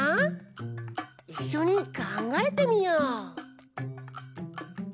いっしょにかんがえてみよう。